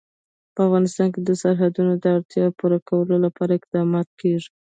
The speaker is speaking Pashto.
په افغانستان کې د سرحدونه د اړتیاوو پوره کولو لپاره اقدامات کېږي.